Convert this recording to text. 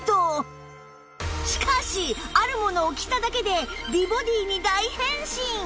しかしあるものを着ただけで美ボディーに大変身！